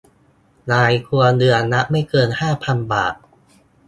รายครัวเรือนละไม่เกินห้าพันบาท